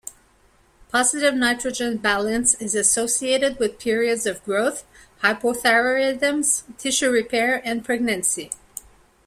Positive nitrogen balance is associated with periods of growth, hypothyroidism, tissue repair, and pregnancy.